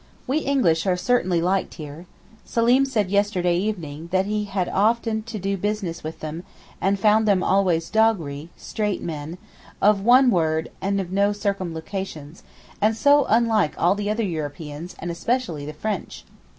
We English are certainly liked here. Seleem said yesterday evening that he had often had to do business with them, and found them always doghri (straight), men of one word and of no circumlocutions, 'and so unlike all the other Europeans, and especially the French!